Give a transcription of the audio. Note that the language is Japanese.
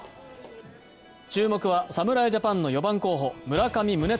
注目は侍ジャパンの４番候補、村上宗隆。